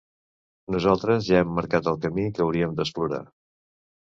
Nosaltres ja hem marcat el camí que hauríem d’explorar.